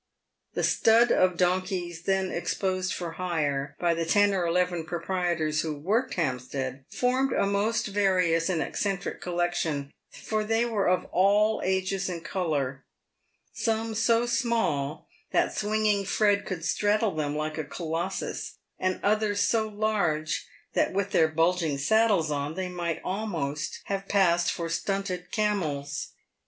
The stud of donkeys then exposed for hire by the ten oy eleven proprietors who "worked" Hampstead, formed a most various and eccentric collection, for they were of all ages and colour, some so small that Swinging Fred could straddle them like a colossus, and others so large, that, with their bulging saddles on, they might almost have passed for stunted camels.